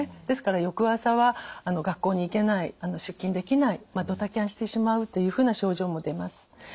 ですから翌朝は学校に行けない出勤できないドタキャンしてしまうというふうな症状も出ます。